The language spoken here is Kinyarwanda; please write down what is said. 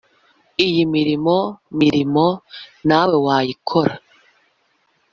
iyimirimo mirimo nawe wayikora